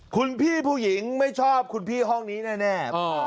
คุณพี่ผู้หญิงไม่ชอบคุณพี่ห้องนี้แน่